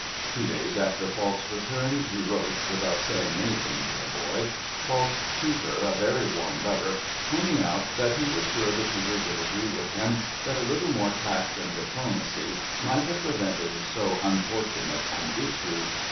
Two days after Falk's return he wrote (without saying anything to the boy) Falk's tutor a very warm letter, pointing out that he was sure the tutor would agree with him that a little more tact and diplomacy might have prevented so unfortunate an issue.